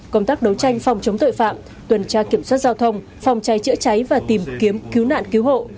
công tác đấu tranh phòng chống tội phạm tuần tra kiểm soát giao thông phòng cháy chữa cháy và tìm kiếm cứu nạn cứu hộ